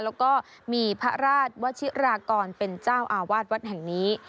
แล้วก็มีพระราชวชิรากรเป็นเจ้าอาวาสวัดแห่งนี้